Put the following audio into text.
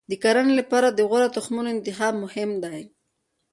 د کرنې لپاره د غوره تخمونو انتخاب مهم دی.